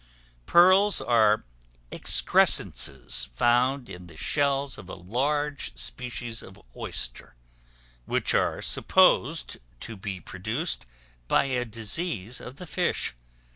Pearls are excrescences found in the shells of a large species of oyster, which are supposed to be produced by a disease of the fish.